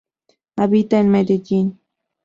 Habita en medellin